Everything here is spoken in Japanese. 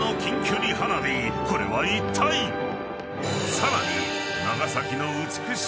［さらに］